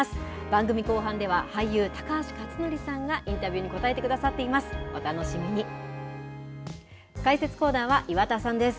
番組後半では、俳優、高橋克典さんがインタビューに答えてくださっています。